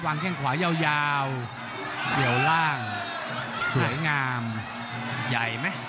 วางแข้งขวายาวยาวเยียวล่างสวยงามใหญ่ไหม